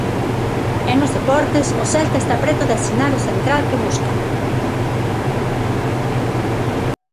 E nos deportes, o Celta está preto de asinar o central que busca.